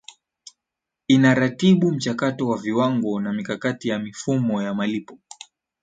inaratibu mchakato wa viwango na mikakati ya mifumo ya malipo